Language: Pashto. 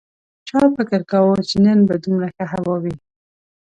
چا فکر کاوه چې نن به دومره ښه هوا وي